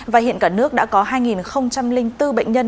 và hiện cả nước đã có hai bốn bệnh nhân